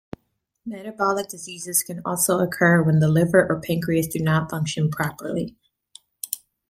Metabolic diseases can also occur when the liver or pancreas do not function properly.